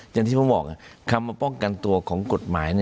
อย่างที่ผมบอกคำมาป้องกันตัวของกฎหมาย